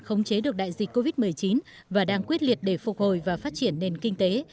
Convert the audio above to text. khống chế được đại dịch covid một mươi chín và đang quyết liệt để phục hồi và phát triển nền kinh tế